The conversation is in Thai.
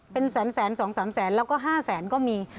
เป็นแสน๒๓แสนแล้วก็๕แสนก็มี